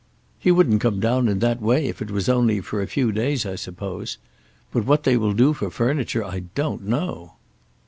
"He wouldn't come down in that way if it was only for a few days I suppose. But what they will do for furniture I don't know."